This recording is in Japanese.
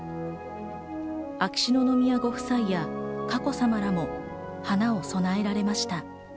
秋篠宮ご夫妻や佳子さまらも花を添えました。